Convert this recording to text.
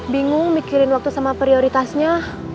bingung mikirin waktu sama prioritasnya